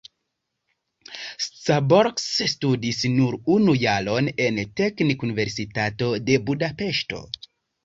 Szabolcs studis nur unu jaron en Teknikuniversitato de Budapeŝto.